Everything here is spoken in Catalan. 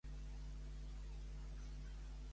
De qui es tracta Màblung?